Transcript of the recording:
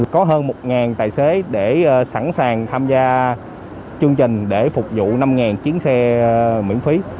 có hơn một tài xế để sẵn sàng tham gia chương trình để phục vụ năm chiến xe miễn phí